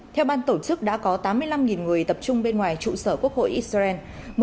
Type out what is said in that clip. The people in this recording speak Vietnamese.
theo ban tổ chức đã có tám mươi năm người tập trung bên ngoài trụ sở quốc hội israel